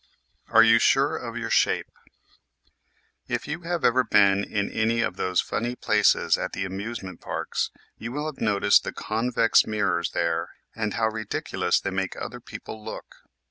ARE YOU SURE OF YOUR SHAPE? If you have ever been in any of those funny places at the amusement parks you will have noticed the convex mirrors there and how ridiculous they make other people look.